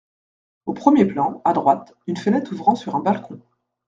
Au premier plan, à droite, une fenêtre ouvrant sur un balcon.